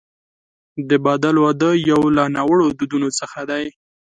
د بدل واده یو له ناوړه دودونو څخه دی.